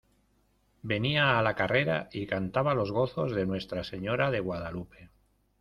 venía a la carrera y cantaba los gozos de Nuestra Señora de Guadalupe.